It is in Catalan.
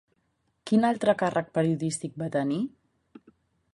Quin altre càrrec periodístic va tenir?